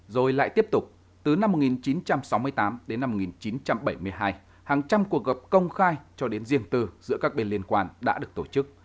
rồi lại tiếp tục từ năm một nghìn chín trăm sáu mươi tám đến năm một nghìn chín trăm bảy mươi hai hàng trăm cuộc gặp công khai cho đến riêng từ giữa các bên liên quan đã được tổ chức